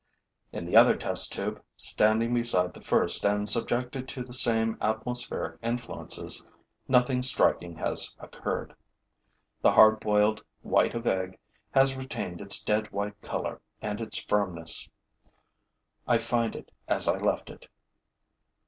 In the other test tube, standing beside the first and subjected to the same atmospheric influences, nothing striking has occurred. The hard boiled white of egg has retained its dead white color and its firmness. I find it as I left it.